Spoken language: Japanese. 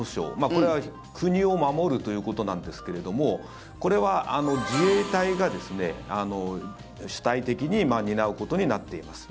これは国を守るということなんですけれどもこれは自衛隊が主体的に担うことになってます。